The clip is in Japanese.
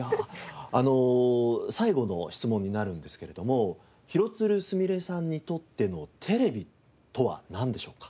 あの最後の質問になるんですけれども廣津留すみれさんにとってのテレビとはなんでしょうか？